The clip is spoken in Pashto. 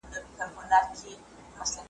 ملنګه ! د کوم دشت هوا پرهر لره دوا ده .